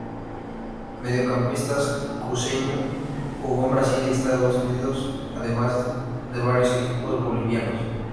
Mediocampista cruceño, jugó en Brasil y Estados Unidos, además de varios equipos bolivianos.